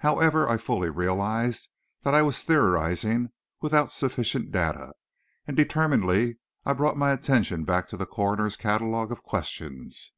However, I fully realized that I was theorizing without sufficient data, and determinedly I brought my attention back to the coroner's catalogue of questions.